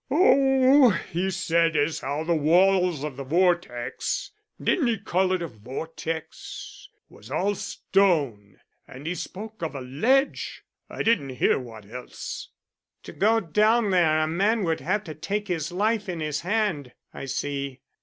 "Oh, he said as how the walls of the vortex didn't he call it a vortex was all stone, and he spoke of a ledge I didn't hear what else." "To go down there a man would have to take his life in his hand, I see.